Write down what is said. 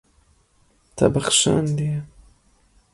Te bexşandiye.